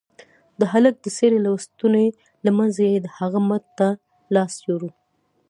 د هلك د څيرې لستوڼي له منځه يې د هغه مټ ته لاس يووړ.